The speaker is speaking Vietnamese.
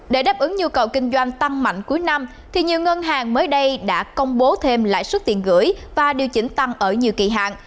để đáp ứng nhu cầu kinh doanh tăng mạnh cuối năm thì nhiều ngân hàng mới đây đã công bố thêm lãi suất tiền gửi và điều chỉnh tăng ở nhiều kỳ hạn